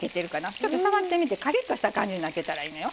ちょっと触ってみてカリッとした感じになってたらいいのよ。